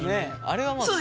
あれはまあ。